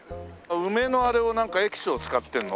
梅のあれをなんかエキスを使ってるの？